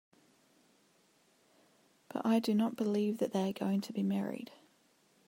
But I do not believe that they are going to be married.